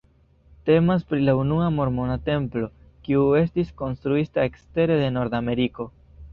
Temas pri la unua mormona templo, kiu estis konstruita ekstere de Nordameriko.